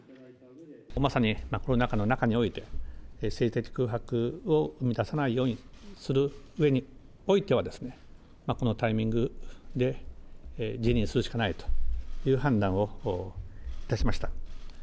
まさにコロナ禍の中において、政治的空白を生み出さないようにするうえにおいては、このタイミングで辞任するしかないという判断をいたしました。